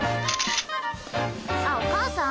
あっお母さん？